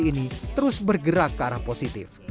ekonomi provinsi ini terus bergerak ke arah positif